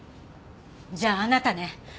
じゃああなたね？